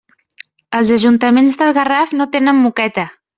Els ajuntaments del Garraf no tenen moqueta.